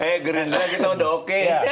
eh gerinda kita udah oke